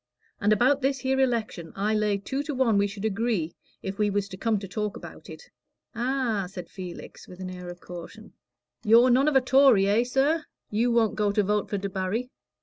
And about this here election, I lay two to one we should agree if we was to come to talk about it." "Ah!" said Felix, with an air of caution. "You're none of a Tory, eh, sir? You won't go to vote for Debarry?